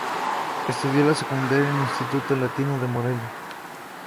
Estudió la secundaria en Instituto Latino de Morelia.